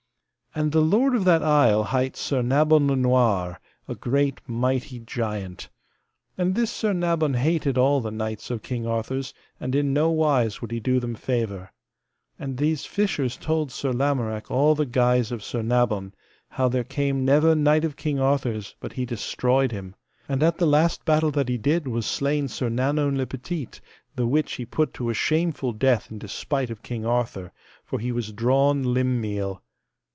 And the lord of that isle, hight Sir Nabon le Noire, a great mighty giant. And this Sir Nabon hated all the knights of King Arthur's, and in no wise he would do them favour. And these fishers told Sir Lamorak all the guise of Sir Nabon; how there came never knight of King Arthur's but he destroyed him. And at the last battle that he did was slain Sir Nanowne le Petite, the which he put to a shameful death in despite of King Arthur, for he was drawn limb meal.